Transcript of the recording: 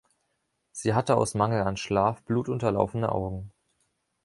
Sie hatte aus Mangel an Schlaf blutunterlaufene Augen.